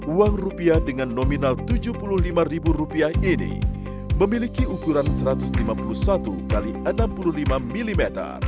uang rupiah dengan nominal rp tujuh puluh lima ini memiliki ukuran satu ratus lima puluh satu x enam puluh lima mm